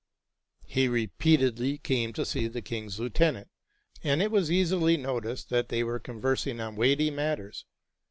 He repeatedly came to see the king's lieutenant, and it was easily noticed that they were conversing on weighty matters.